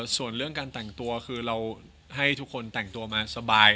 ส่วนเรื่องการแต่งตัวคือเราให้ทุกคนแต่งตัวมาสบาย